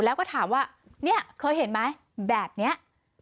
แล้วก็ถามว่าเนี่ยเคยเห็นไหมแบบนี้